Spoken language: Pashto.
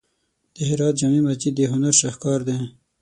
د هرات جامع مسجد د هنر شاهکار دی.